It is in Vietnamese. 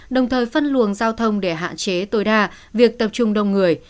đồng thời phân luồng giao thông để hạn chế tối đa việc tập trung đông người